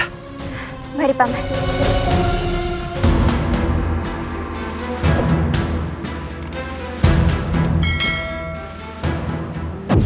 hai beri pamit pamit